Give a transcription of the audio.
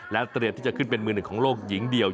เตรียมที่จะขึ้นเป็นมือหนึ่งของโลกหญิงเดียว